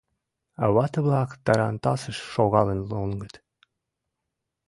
Вате-влак тарантасыш шогалын лоҥыт.